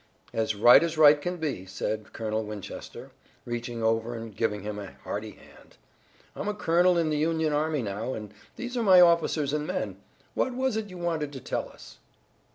"As right as right can be," said Colonel Winchester, reaching over and giving him a hearty hand. "I'm a colonel in the Union army now, and these are my officers and men. What was it you wanted to tell us?"